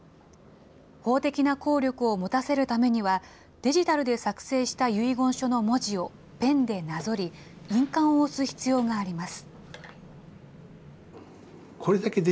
法的な効力を持たせるためには、デジタルで作成した遺言書の文字をペンでなぞり、印鑑を押す必要があります。